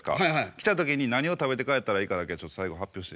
来た時に何を食べて帰ったらええかだけちょっと最後発表して。